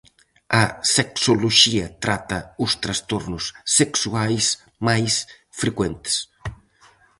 A sexoloxía trata os trastornos sexuais máis frecuentes.